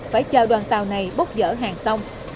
phải chờ đoàn tàu này bốc dở hàng xong